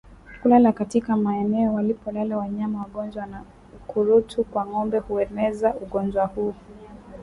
Kulala katika maeneo walipolala wanyama wagonjwa wa ukurutu kwa ngombe hueneza ugonjwa huu